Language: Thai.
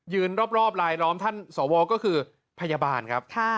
รอบลายล้อมท่านสวก็คือพยาบาลครับ